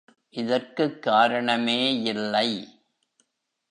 இதற்குக் காரணமே யில்லை.